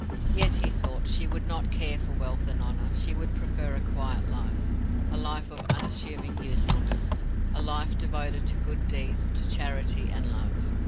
Yet, he thought, she would not care for wealth and honour; she would prefer a quiet life a life of unassuming usefulness, a life devoted to good deeds, to charity and love.